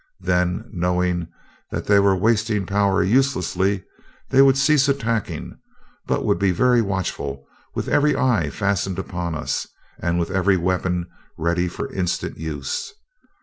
Then, knowing that they were wasting power uselessly, they would cease attacking, but would be very watchful, with every eye fastened upon us and with every weapon ready for instant use.